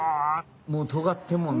もうとがってるもんな。